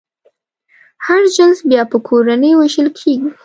هر جنس بیا په کورنیو وېشل کېږي.